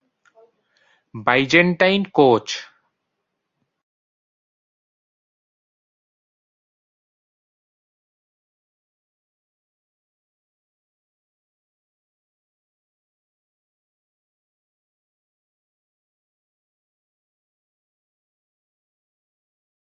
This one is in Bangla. প্রকল্পের লক্ষ্য ছিল ওয়াশিংটন মার্চে এক মিলিয়ন টুপি হস্তান্তর করা।